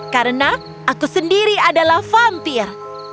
karena aku sendiri adalah vampir